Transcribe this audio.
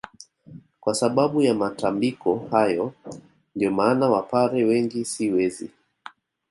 Kwa sababu ya matambiko hayo ndio maana wapare wengi si wezi